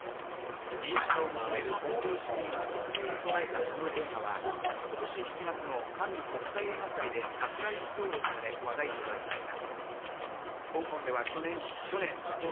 民主化を求める香港市民を克明に捉えたこの映画は今年７月のカンヌ国際映画祭でサプライズ上映され話題となりました。